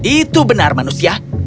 itu benar manusia